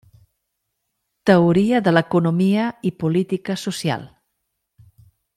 Teoria de l’economia i política social.